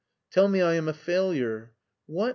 Tell me I am a failure." *' What !